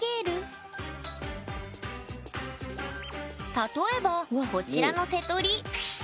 例えばこちらのセトリ。